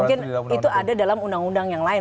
mungkin itu ada dalam undang undang yang lain